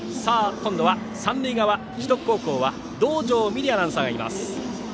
今度は三塁側、樹徳高校は道上美璃アナウンサーがいます。